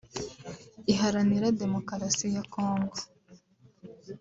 Iharanira Demokarasi ya Kongo